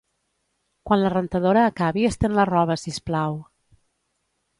Quan la rentadora acabi estén la roba sisplau